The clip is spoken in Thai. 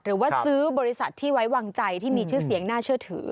หรือว่าซื้อบริษัทที่ไว้วางใจที่มีชื่อเสียงน่าเชื่อถือ